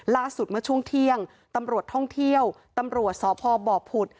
เมื่อช่วงเที่ยงตำรวจท่องเที่ยวตำรวจสพบผุด